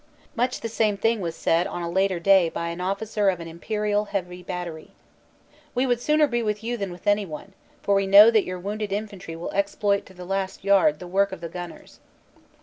Much the same thing was said on a later day by an officer of an Imperial heavy battery. "We would sooner be with you than with anyone, for we know that your wonderful infantry will exploit to the last yard the work of the gunners."